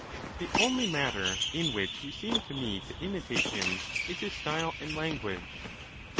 The only matter in which you seem to me to imitate him, is his style and language.